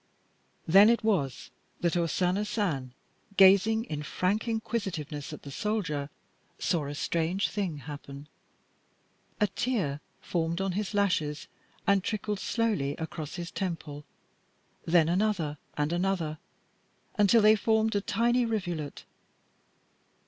Then it was that O Sana San, gazing in frank inquisitiveness at the soldier, saw a strange thing happen. A tear formed on his lashes and trickled slowly across his temple; then another and another, until they formed a tiny rivulet.